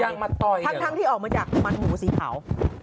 ทั้งที่ออกมาจากมันหมูสีขาว